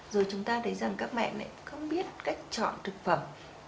rồi chúng ta thấy rằng các mẹ lại không biết cách chọn thực phẩm